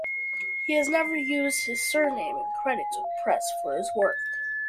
He has never used his surname in credits or press for his work.